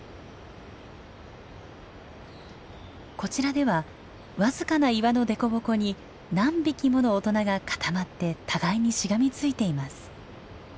こちらでは僅かな岩のでこぼこに何匹もの大人が固まって互いにしがみついています。